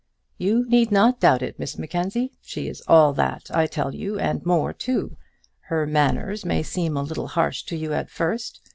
"You need not doubt it, Miss Mackenzie. She is all that, I tell you; and more, too. Her manners may seem a little harsh to you at first.